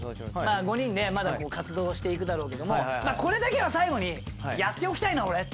５人でまだ活動はして行くだろうけども「これだけは最後にやっておきたいな俺。